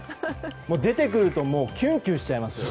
出てくるとキュンキュンしちゃいます。